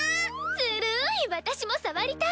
ずるい私も触りたい！